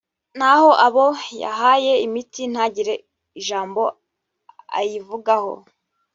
naho abo yahaye imiti ntagire ijambo ayivugaho